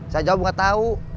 saya jawab gak tahu